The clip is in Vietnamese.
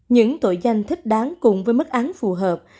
những tội danh thích đáng cùng với mức án phù hợp